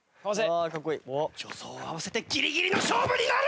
「助走を合わせてギリギリの勝負になる！」